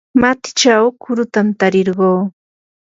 matichaw kurutam tarirquu.